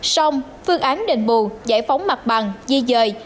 xong phương án đền bù giải phóng mặt bằng di dời